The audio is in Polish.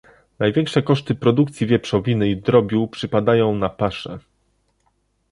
Największe koszty produkcji wieprzowiny i drobiu przypadają na pasze